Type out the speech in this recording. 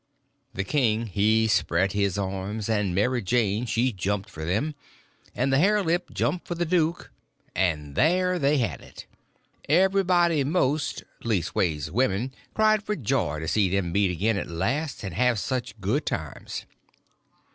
The king he spread his arms, and Mary Jane she jumped for them, and the hare lip jumped for the duke, and there they had it! Everybody most, leastways women, cried for joy to see them meet again at last and have such good times.